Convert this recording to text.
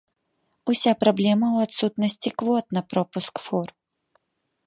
Уся праблема ў адсутнасці квот на пропуск фур.